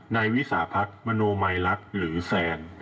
นายวิสาพัฒน์มโนมัยลักษณ์หรือแซน